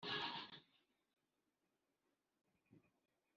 Umubare wa ngombwa w abacungagereza